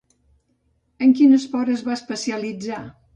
En quin esport es va especialitzar?